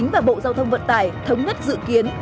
vận tải thống nhất dự kiến